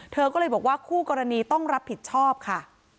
เธอก็เลยบอกว่าคู่กรณีต้องรับผิดชอบค่ะ